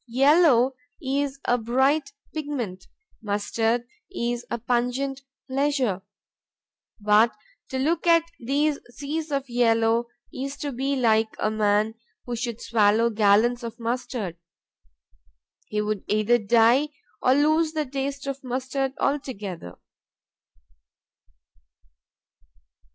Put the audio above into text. Yellow is a bright pigment; mustard is a pungent pleasure. But to look at these seas of yellow is to be like a man who should swallow gallons of mustard. He would either die, or lose the taste of mustard altogether.